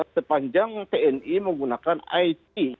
sepanjang tni menggunakan it